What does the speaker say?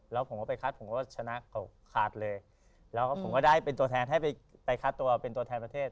แล้วผมก็ไปคัดผมก็ชนะเขาขาดเลยแล้วก็ผมก็ได้เป็นตัวแทนให้ไปคัดตัวเป็นตัวแทนประเทศ